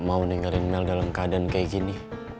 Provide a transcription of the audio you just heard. gue gak mau ninggalin mel dalam keadaan kayak gini